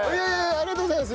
ありがとうございます！